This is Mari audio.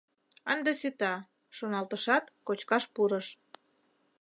«Ынде сита», — шоналтышат, кочкаш пурыш.